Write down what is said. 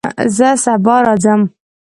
زه سبا راځم